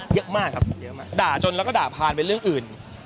เยอะมากครับเยอะมากด่าจนแล้วก็ด่าพานเป็นเรื่องอื่น